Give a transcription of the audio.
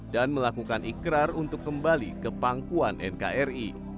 dan melakukan ikrar untuk kembali ke pangkuan nkri